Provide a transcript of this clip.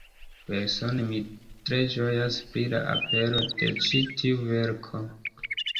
Persone, mi tre ĝojas pri la apero de ĉi tiu verko.